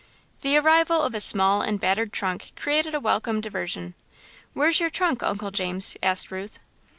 The arrival of a small and battered trunk created a welcome diversion. "Where's your trunk, Uncle James?" asked Ruth.